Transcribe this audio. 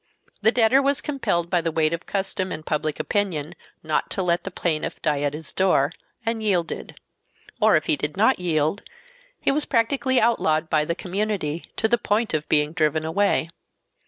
The debtor was compelled by the weight of custom and public opinion not to let the plaintiff die at his door, and yielded. Or if he did not yield, he was practically outlawed by the community, to the point of being driven away.